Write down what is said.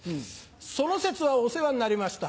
その節はお世話になりました。